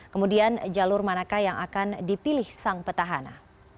kemudian jalur manakah yang akan dipilih sang petahana